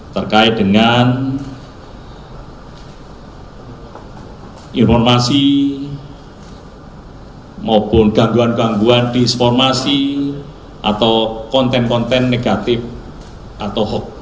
terkait dengan informasi maupun gangguan gangguan disformasi atau konten konten negatif atau hoax